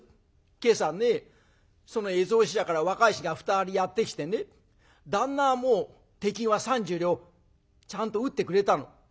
「今朝ねその絵草紙屋から若い衆が２人やって来てね旦那はもう手金は３０両ちゃんと打ってくれたの。